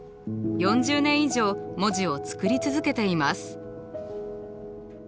４０年以上文字を作り続けています。